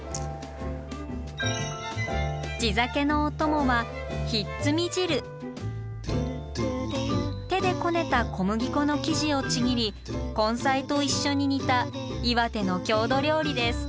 地酒のお供は手でこねた小麦粉の生地をちぎり根菜と一緒に煮た岩手の郷土料理です。